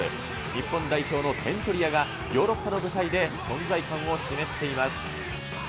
日本代表の点取り屋が、ヨーロッパの舞台で存在感を示しています。